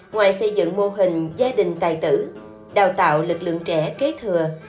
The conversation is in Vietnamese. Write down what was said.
ngoài xây dựng mô hình gia đình tài tử đào tạo lực lượng trẻ kế thừa